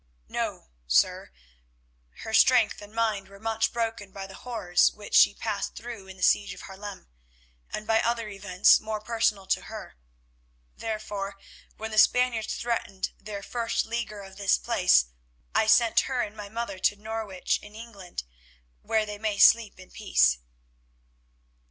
"No, sir, her strength and mind were much broken by the horrors which she passed through in the siege of Haarlem, and by other events more personal to her. Therefore, when the Spaniards threatened their first leaguer of this place, I sent her and my mother to Norwich in England, where they may sleep in peace."